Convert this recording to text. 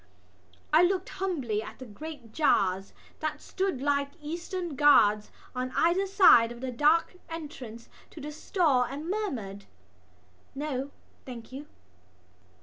I looked humbly at the great jars that stood like eastern guards at either side of the dark entrance to the stall and murmured: "No, thank you."